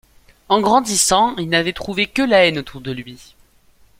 En grandissant il n’avait trouvé que la haine autour de lui.